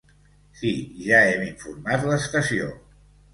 Sí, ja hem informat l'estació.